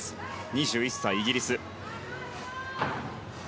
２１歳、イギリス。